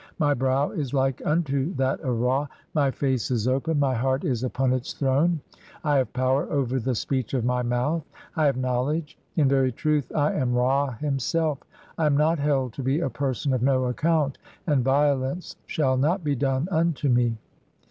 My brow is like unto that of Ra ; my "face is open ; (4) my heart is upon its throne ; I have power "over the speech of my mouth ; I have knowledge ; in very truth "I am Ra himself. I am not held to be a person of no account ; "(5) and violence shall not be done unto me.